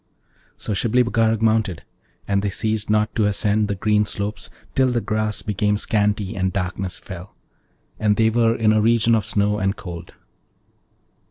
So Shibli Bagarag mounted, and they ceased not to ascend the green slopes till the grass became scanty and darkness fell, and they were in a region of snow and cold.